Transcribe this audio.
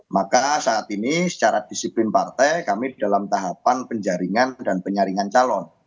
maka saat ini secara disiplin partai kami dalam tahapan penjaringan dan penyaringan calon